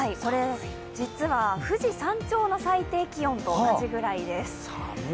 実は、富士山頂の最低気温と同じくらいです。